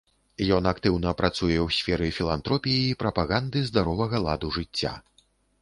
Ён актыўна працуе ў сферы філантропіі і прапаганды здаровага ладу жыцця.